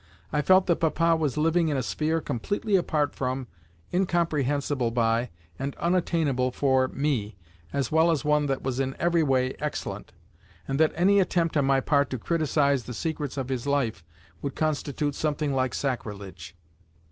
I felt that Papa was living in a sphere completely apart from, incomprehensible by, and unattainable for, me, as well as one that was in every way excellent, and that any attempt on my part to criticise the secrets of his life would constitute something like sacrilege.